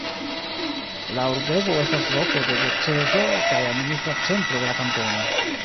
La urbego estas loko de diocezo kaj administra centro de la kantono.